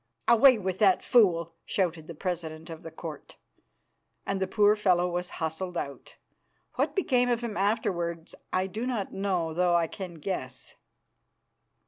"Away with that fool!" shouted the president of the Court, and the poor fellow was hustled out. What became of him afterwards I do not know, though I can guess.